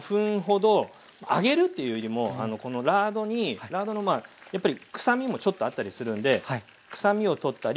揚げるっていうよりもこのラードにラードのまあやっぱり臭みもちょっとあったりするんで臭みをとったり